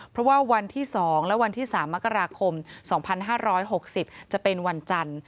เพราะว่าวันที่๒และวันที่๓มกราคม๒๕๖๐จะเป็นวันจันทร์